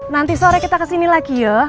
nanti sore kita kesini lagi ya